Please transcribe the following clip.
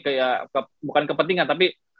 kayak bukan kepentingan tapi